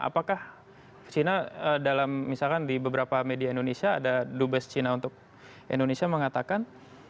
apakah china dalam misalkan di beberapa media indonesia ada dubes china untuk indonesia mengatakan